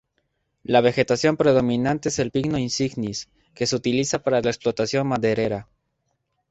La vegetación predominante es el pino Insignis que se utiliza para la explotación maderera.